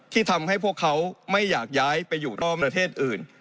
ที่ทำให้พวกเขาไม่อยากย้ายไปอยู่รอบประเทศอื่น